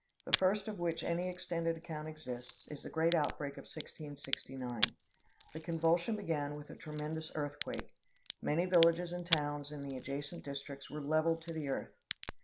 The first of which any extended account exists is the great outbreak of 1669. The convulsion began with a tremendous earthquake. Many villages and towns in the adjacent districts were leveled to the earth.